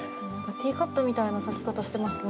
ティーカップみたいな咲き方してますね。